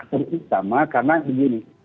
terutama karena begini